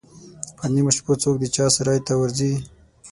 پر نیمو شپو څوک د چا سرای ته ورځي.